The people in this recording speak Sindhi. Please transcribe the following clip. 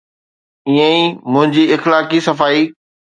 ائين ئي منهنجي اخلاقي صفائي.